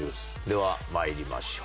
ではまいりましょう。